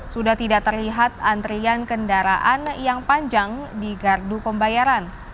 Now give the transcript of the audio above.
sudah tidak terlihat antrian kendaraan yang panjang di gardu pembayaran